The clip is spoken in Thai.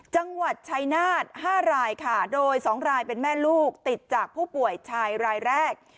จังหวัดชายนาฏ๕รายค่ะโดย๒รายเป็นแม่ลูกติดจากผู้ป่วยชายรายแรก